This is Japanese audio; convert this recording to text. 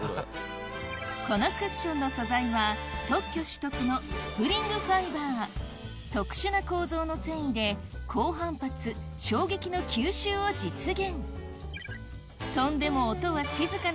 このクッションの素材は特許取得のスプリングファイバー特殊な構造の繊維で高反発・衝撃の吸収を実現跳んでもすごい！